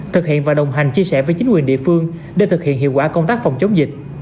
thực hiện và đồng hành chia sẻ với chính quyền địa phương để thực hiện hiệu quả công tác phòng chống dịch